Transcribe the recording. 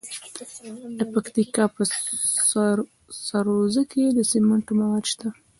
د پکتیکا په سروضه کې د سمنټو مواد شته.